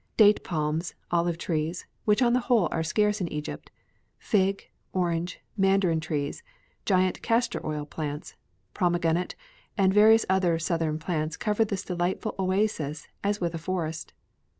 Date palms, olive trees, which on the whole are scarce in Egypt, fig, orange, mandarin trees, giant castor oil plants, pomegranate and various other southern plants cover this delightful oasis as with a forest.